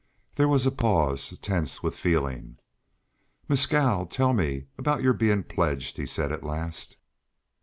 There was a pause, tense with feeling. "Mescal, tell me about your being pledged," he said, at last.